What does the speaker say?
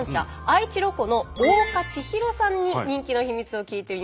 愛知ロコの大岡千紘さんに人気の秘密を聞いてみましょう。